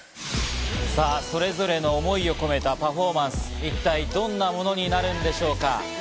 さぁ、それぞれの思いを込めたパフォーマンス、一体どんなものになるんでしょうか。